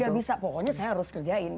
gak bisa pokoknya saya harus kerjain